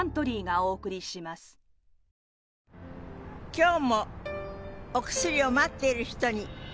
今日もお薬を待っている人に。